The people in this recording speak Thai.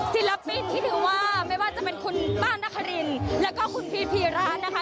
ศิลปินที่ถือว่าไม่ว่าจะเป็นคุณป้านครินแล้วก็คุณพีชพีระนะคะ